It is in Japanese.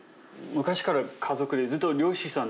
昔から家族でずっと猟師さん？